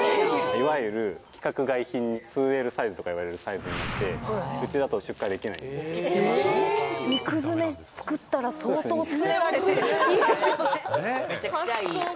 いわゆる規格外品、２Ｌサイズとかいわれるサイズになって、うちだと出荷できないん肉詰め作ったら、相当詰められていいですよね。